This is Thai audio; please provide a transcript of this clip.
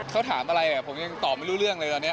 เขาถามอะไรผมยังตอบไม่รู้เรื่องเลยตอนนี้